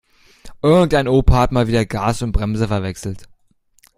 Irgendein Opa hat mal wieder Gas und Bremse verwechselt.